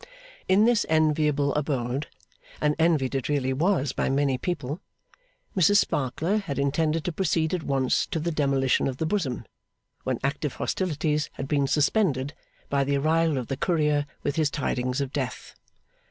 In this enviable abode (and envied it really was by many people), Mrs Sparkler had intended to proceed at once to the demolition of the Bosom, when active hostilities had been suspended by the arrival of the Courier with his tidings of death.